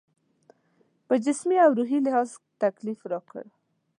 په جسمي او روحي لحاظ تکلیف راکړ.